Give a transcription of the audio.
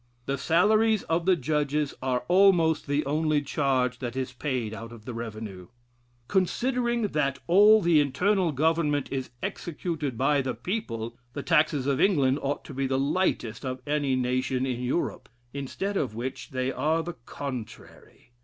The salaries of the judges are almost the only charge that is paid out of the revenue. Considering that all the internal government is executed by the people, the taxes of England ought to be the lightest of any nation in Europe; instead of which they are the contrary.